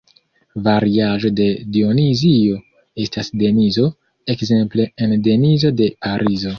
Variaĵo de "Dionizio" estas Denizo, ekzemple en Denizo de Parizo.